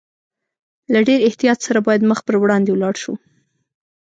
له ډېر احتیاط سره باید مخ پر وړاندې ولاړ شو.